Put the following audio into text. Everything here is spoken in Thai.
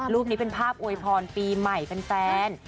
รูปนี้เป็นภาพอวยพรปีใหม่แฟน